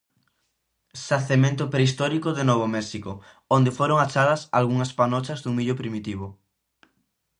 Xacemento prehistórico de Novo México, onde foron achadas algunhas panochas dun millo primitivo.